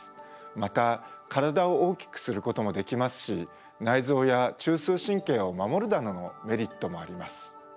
また体を大きくすることもできますし内臓や中枢神経を守るなどのメリットもあります。